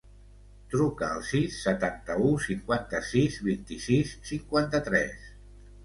Truca al sis, setanta-u, cinquanta-sis, vint-i-sis, cinquanta-tres.